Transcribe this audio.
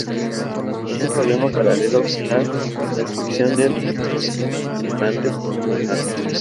Existe un problema paralelo con la transcripción del aproximante palatal.